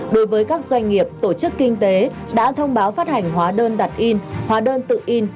đối với các doanh nghiệp tổ chức kinh tế đã thông báo phát hành hóa đơn đặt in hóa đơn tự in